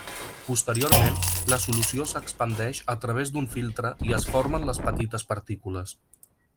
Posteriorment, la solució s'expandeix a través d'un filtre i es formen les petites partícules.